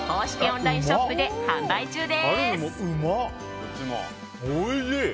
オンラインショップで販売中です。